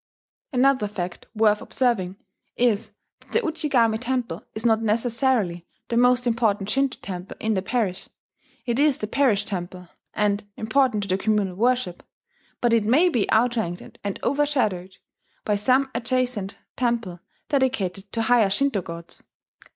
Another fact worth observing is that the Ujigami temple is not necessarily the most important Shinto temple in the parish: it is the parish temple, and important to the communal worship; but it may be outranked and overshadowed by some adjacent temple dedicated to higher Shinto gods.